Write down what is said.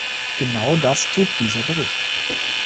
Genau das tut dieser Bericht.